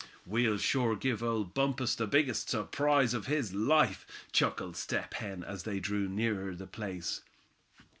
"We'll sure give old Bumpus the biggest surprise of his life," chuckled Step Hen, as they drew nearer the place.